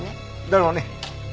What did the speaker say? だろうね。